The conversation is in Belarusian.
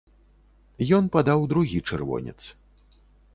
Ён падаў другі чырвонец.